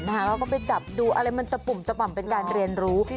เราก็ไปจับดูอะไรมันตะปุ่มตะป่ำเป็นการเรียนรู้